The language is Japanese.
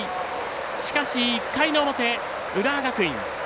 しかし１回の表、浦和学院。